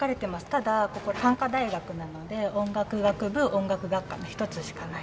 ただここ単科大学なので音楽学部音楽学科の一つしかないです。